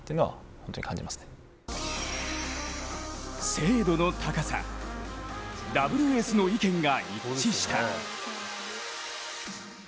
精度の高さ、ダブルエースの意見が一致した。